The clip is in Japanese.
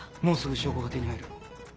もうすぐ証拠が手に入る。